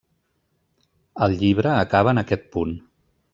El llibre acaba en aquest punt.